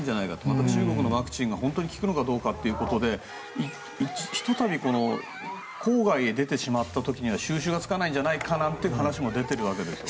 また中国のワクチンが本当に効くのかどうかということでひと度、郊外に出てしまった時には収拾がつかないんじゃないかという話も出ています。